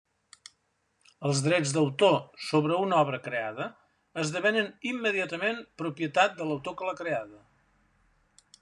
Els drets d'autor sobre una obra creada esdevenen immediatament propietat de l'autor que l'ha creada.